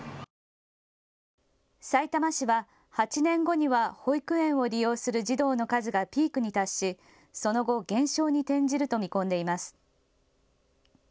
さいたま市は８年後には保育園を利用する児童の数がピークに達しその後、減少に転じると見込んでいます。